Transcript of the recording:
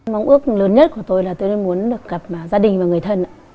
mong ước lớn nhất của tôi là tôi luôn muốn được gặp gia đình và người thân